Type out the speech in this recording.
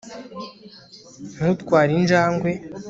ntutware injangwe